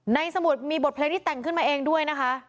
สมุดมีบทเพลงที่แต่งขึ้นมาเองด้วยนะคะ